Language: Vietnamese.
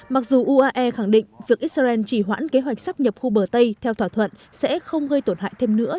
mặc dù uae khẳng định việc israel chỉ hoãn kế hoạch sắp nhập khu bờ tây theo thỏa thuận sẽ không gây tổn hại thêm nữa